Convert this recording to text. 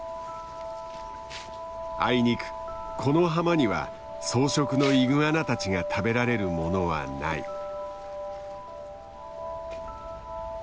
あいにくこの浜には草食のイグアナたちが食べられるものはない。